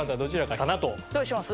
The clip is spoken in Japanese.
どうします？